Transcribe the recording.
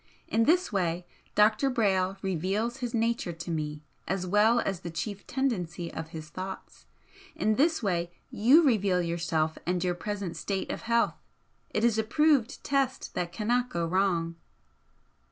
In this way Dr. Brayle reveals his nature to me as well as the chief tendency of his thoughts, in this way YOU reveal yourself and your present state of health, it is a proved test that cannot go wrong."